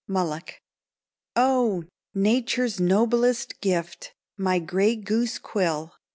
Mulock._ Oh! Nature's noblest gift my gray goose quill!